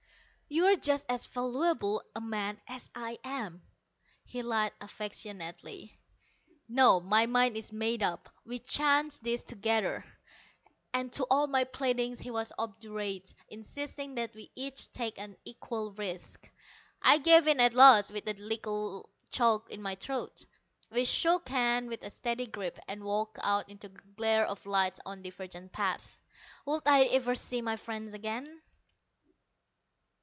"You're just as valuable a man as I am," he lied affectionately. "No, my mind is made up. We chance this together." And to all my pleadings he was obdurate, insisting that we each take an equal risk. I gave in at last, with a little choke in my throat. We shook hands with a steady grip, and walked out into the glare of light, on divergent paths. Would I ever see my friend again?